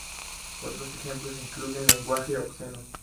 Otros ejemplos incluyen lenguaje obsceno.